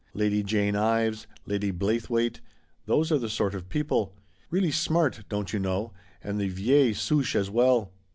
Lady Jane Ives, Lady Blaythewaite — those are the sort of people. Really smart, don't you know, and the vieiUe souche, as well.